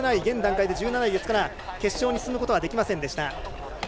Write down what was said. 現段階で１７位ですから決勝に進むことはできませんでした。